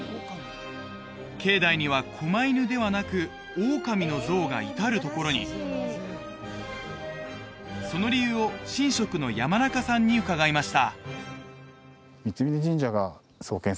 境内にはこま犬ではなくオオカミの像が至るところにその理由を神職の山中さんに伺いました